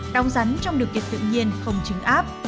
đóng rắn trong điều kiện tự nhiên không chứng áp